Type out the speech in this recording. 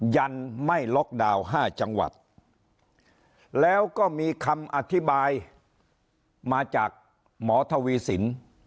ยันไม่ล็อกดาวน์๕จังหวัดแล้วก็มีคำอธิบายมาจากหมอทวีสิน